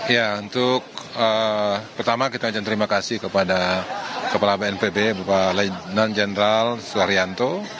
ya untuk pertama kita ingin terima kasih kepada kepala bnpb bupak lenon jendral suharyanto